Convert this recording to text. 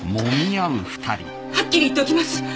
はっきり言っておきます